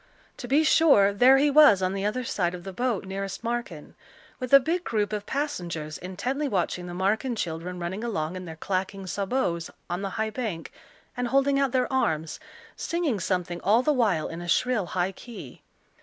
To be sure, there he was on the other side of the boat nearest Marken, with a big group of passengers, intently watching the Marken children running along in their clacking sabots, on the high bank, and holding out their arms, singing something all the while in a shrill, high key.